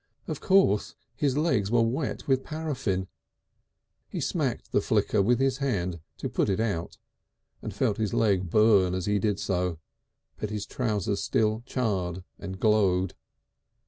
Of course his legs were wet with paraffine! He smacked the flicker with his hand to put it out, and felt his leg burn as he did so. But his trousers still charred and glowed.